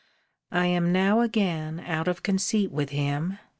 I am now again out of conceit with him.